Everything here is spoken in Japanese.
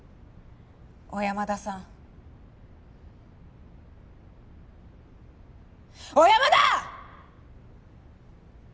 小山田さん小山田！